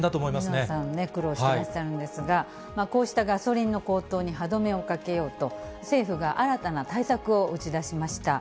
皆さん苦労してらっしゃるんですが、こうしたガソリンの高騰に歯止めをかけようと、政府が新たな対策を打ち出しました。